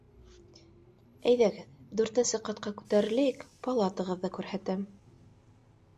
Әйҙәгеҙ, дүртенсе ҡатҡа күтәреләйек, палатағыҙҙы күрһәтәм.